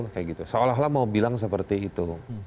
seperti seolah olah mau bilang seperti itu